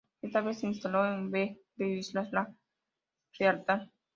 Esta vez se instaló en We de las islas La Lealtad.